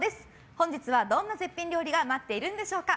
本日は、どんな絶品料理が待っているんでしょうか。